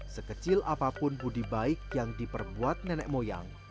sekecil apapun budi baik yang diperbuat nenek moyang